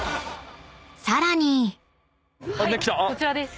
［さらに］こちらです。